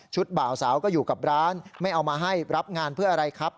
บ่าวสาวก็อยู่กับร้านไม่เอามาให้รับงานเพื่ออะไรครับ